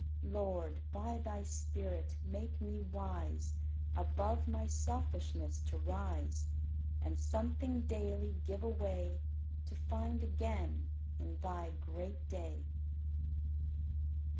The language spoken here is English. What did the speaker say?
Lord, by Thy Spirit, make me wise Above my selfishness to rise, And something daily give away To find again in Thy great day!